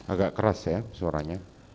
agak keras ya suaranya